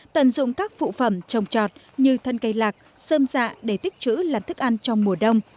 tận dụng các phụ phẩm trồng trọt như thân cây lạc sơm dạ để tích chữ làm thức ăn trong mùa đông